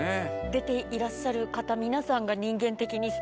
出ていらっしゃる方皆さんが。